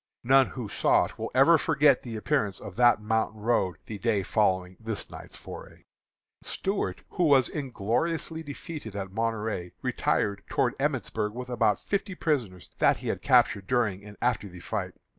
None who saw it will ever forget the appearance of that mountain road the day following this night's foray. Stuart, who was ingloriously defeated at Monterey, retired towards Emmitsburg with about fifty prisoners that he had captured during and after the fight.